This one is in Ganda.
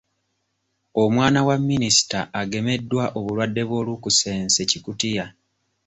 Omwana wa minisita agemeddwa obulwadde bw'olukusense-Kikutiya